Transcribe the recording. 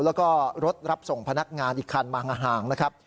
แล้วก็รถรับส่งพนักงานอีกคันมาห่างนะครับ